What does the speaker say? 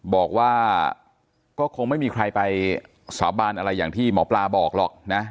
บอกว่าก็คงไม่มีใครไปสาบานอะไรอย่างที่หมอปลาบอกหรอกนะ